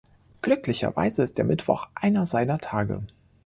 Glücklicherweise ist der Mittwoch einer seiner Tage.